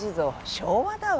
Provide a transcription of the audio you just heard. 昭和だわ。